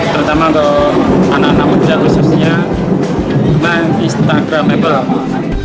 terutama kalau anak anak menjaga sosial dan instagramable